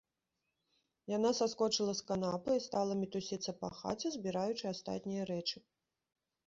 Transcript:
Яна саскочыла з канапы і стала мітусіцца па хаце, збіраючы астатнія рэчы.